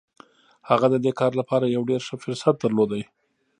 هغه د دې کار لپاره يو ډېر ښه فرصت درلود.